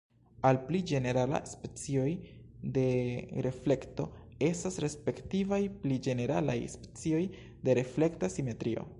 Al pli ĝenerala specoj de reflekto estas respektivaj pli ĝeneralaj specoj de reflekta simetrio.